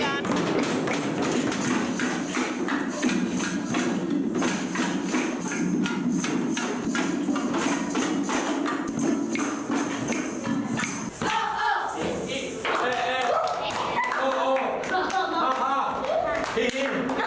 ฮ่าทีนี้